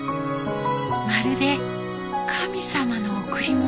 まるで神様の贈り物。